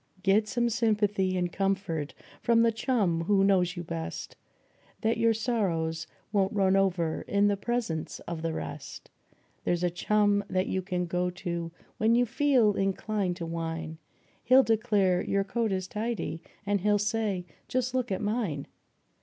Get some sympathy and comfort from the chum who knows you best, Then your sorrows won't run over in the presence of the rest ; There's a chum that you can go to when you feel inclined to whine, He'll declare your coat is tidy, and he'll say : "Just look at mine